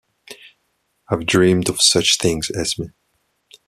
I’ve dreamed of such things, Esme.